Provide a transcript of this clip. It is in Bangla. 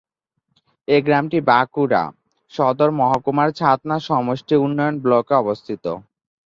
এই গ্রামটি বাঁকুড়া সদর মহকুমার ছাতনা সমষ্টি উন্নয়ন ব্লকে অবস্থিত।